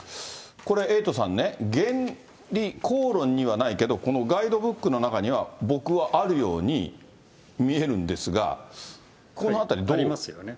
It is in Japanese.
これ、エイトさんね、原理講論にはないけど、このガイドブックの中には、僕はあるように見えるんですが、このあたり、ありますよね。